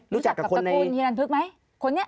รู้จักกับตระกูลฮิลันท์พฤกษ์ไหมเอาไหมรู้จักกับคนใน